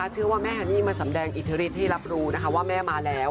เชื่อว่าแม่ฮันนี่มาสำแดงอิทธิฤทธิให้รับรู้นะคะว่าแม่มาแล้ว